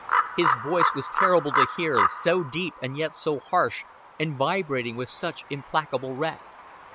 His voice was terrible to hear, so deep and yet so harsh, and vibrating with such implacable wrath.